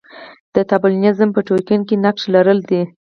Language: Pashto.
د طالبانیزم په تکوین کې یې نقش لرلی دی.